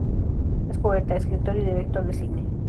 Es poeta, escritor y director de cine.